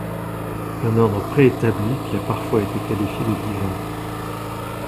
Un ordre pré-établi qui a parfois été qualifié de 'divin'.